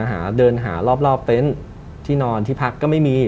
หาเดินหารอบเต็นต์ที่นอนที่พักก็ไม่มี